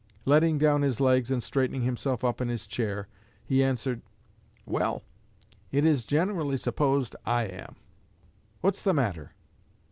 Letting down his legs and straightening himself up in his chair, he answered, 'Well, it is generally supposed I am. What's the matter?'